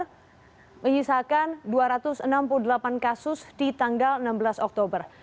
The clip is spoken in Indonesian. kasus aktif di surabaya menyisakan dua ratus enam puluh delapan di tanggal enam belas oktober